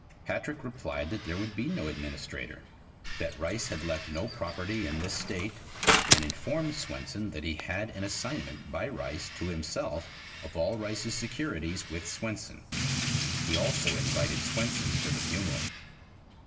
Patrick replied that there would be no administrator; that Rice had left no property in this State, and informed Swenson that he had an assignment by Rice to himself of all Rice's securities with Swenson. He also invited Swenson to the funeral.